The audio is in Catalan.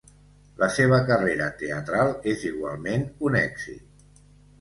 La seva carrera teatral és igualment un èxit.